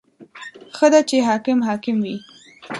• ښه ده چې حاکم حاکم وي.